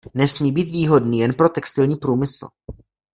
Nesmí být výhodný jen pro textilní průmysl.